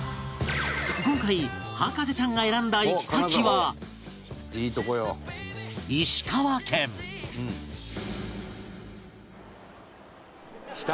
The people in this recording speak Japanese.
今回博士ちゃんが選んだ「来た！」